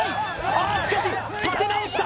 あっしかし立て直した！